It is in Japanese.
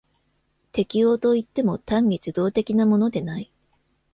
適応といっても単に受動的なものでない。